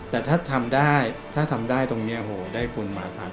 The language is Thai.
แต่ถ้าทำได้ถ้าทำได้ตรงนี้โหได้คุณมา๓๐๐